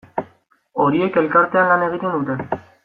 Horiek elkartean lan egiten dute.